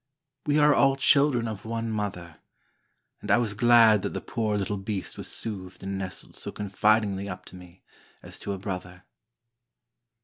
We are all children of one mother, and I was glad that the poor little beast was soothed and nestled so confidingly up to me, as to a brother.